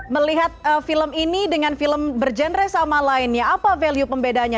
melihat film ini dengan film berjenre sama lainnya apa value pembedanya